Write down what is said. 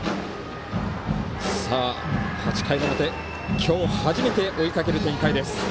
８回表、今日初めて追いかける展開です。